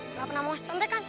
nggak pernah mau secontekan